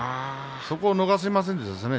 そこを逃しませんでしたね